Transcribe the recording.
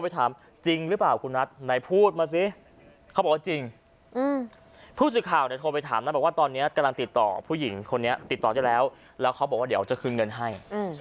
ติดต่อได้แล้วแล้วเขาบอกว่าเดี๋ยวจะคืนเงินให้